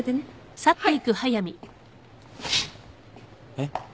えっ？